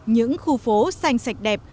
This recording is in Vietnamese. những khu phố xanh sạch đẹp